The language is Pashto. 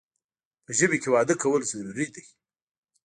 په ژمي کې واده کول ضروري دي